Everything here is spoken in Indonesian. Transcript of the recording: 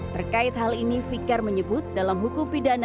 terkait hal ini fikar menyebut dalam hukum pidana